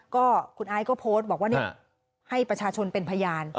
ก็คุณไอซ์ก็โพสต์บอกว่าให้ประชาชนเป็นพยาน